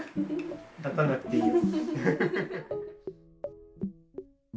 立たなくていいよ。